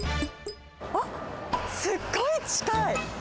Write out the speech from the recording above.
あっ、すっごい近い。